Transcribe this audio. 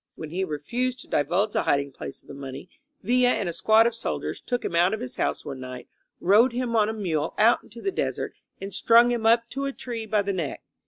When he refused to divulge the hiding place of the money, Villa and a squad of soldiers took him out of his house one night, rode him on a mule out into the desert, and strung him up to a tree by the neck.